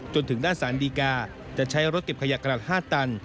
จนถึงด้านสารดีกาจะใช้รถเก็บขยะกลาง๕ตัน